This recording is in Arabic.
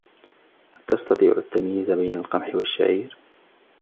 هل تستطيع التمييز بين القمح والشعير ؟